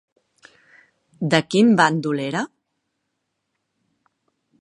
De quin bàndol era?